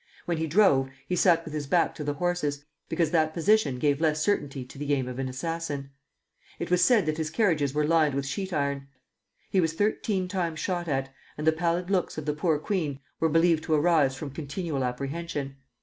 When he drove, he sat with his back to the horses, because that position gave less certainty to the aim of an assassin. It was said that his carriages were lined with sheet iron. He was thirteen times shot at, and the pallid looks of the poor queen were believed to arise from continual apprehension.